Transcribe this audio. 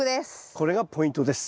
これがポイントです。